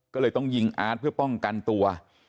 ก็เลยต้องยิงอาร์ตเพื่อป้องกันตัว